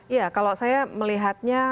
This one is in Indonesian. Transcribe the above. ya kalau saya melihatnya